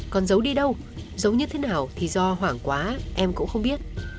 còn giấu đi đâu giống như thế nào thì do hoảng quá em cũng không biết